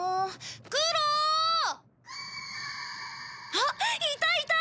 あっいたいた！